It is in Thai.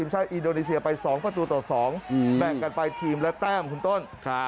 ชาวอินโดนีเซียไป๒ประตูต่อ๒แบ่งกันไปทีมละแต้มคุณต้น